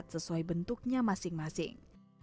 sesuai bentuknya masing masing